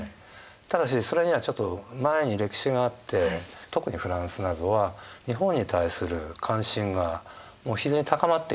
ただしそれにはちょっと前に歴史があって特にフランスなどは日本に対する関心がもう非常に高まっていた。